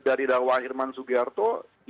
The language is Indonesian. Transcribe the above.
dari dakwaan irman sugiharto